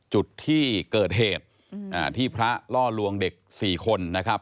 จุดที่เกิดเหตุที่พระล่อลวงเด็ก๔คนนะครับ